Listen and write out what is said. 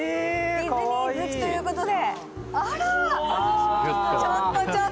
ディズニー好きということで。